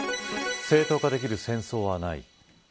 正当化できる戦争はない。